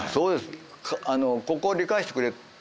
ここを理解してくれた。